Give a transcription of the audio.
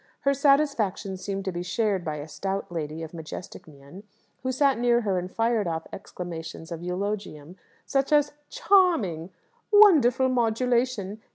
Her satisfaction seemed to be shared by a stout lady of majestic mien, who sat near her and fired off exclamations of eulogium, such as "Charming!" "Wonderful modulation!"